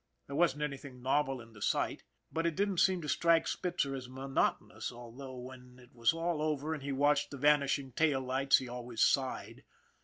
There wasn't anything novel in the sight, but it didn't seem to strike Spitzer as monotonous although, when it was all over and he watched the vanishing tail lights, he always sighed.